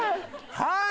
はい！